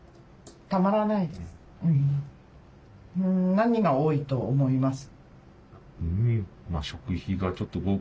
何が多いと思います？